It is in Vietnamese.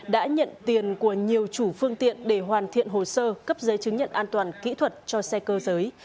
đã nhận tiền của nhiều chủ phương tiện để hoàn thiện hồ sơ cấp giấy chứng nhận an toàn kỹ thuật cho xe cơ giới